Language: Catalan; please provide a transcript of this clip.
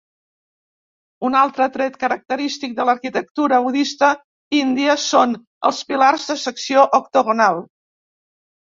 Un altre tret característic de l'arquitectura budista índia són els pilars de secció octogonal.